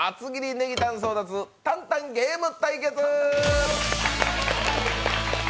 ネギタン争奪たんたんゲーム対決！